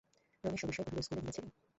রমেশ সবিস্ময়ে কহিল, ইস্কুলে গিয়াছিল?